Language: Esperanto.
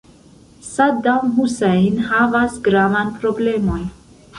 Sadam Husajn havas gravan problemon.